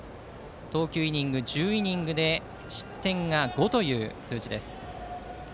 投球イニング１０イニングで失点が５という数字です。